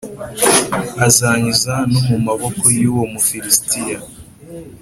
azankiza no mu maboko y’uwo Mufilisitiya.